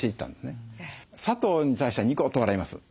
砂糖に対してはニコッと笑います。